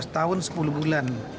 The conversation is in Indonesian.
lima belas tahun sepuluh bulan